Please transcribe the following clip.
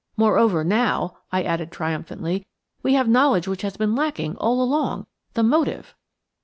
Moreover, now," I added triumphantly, "we have knowledge which has been lacking all along–the motive."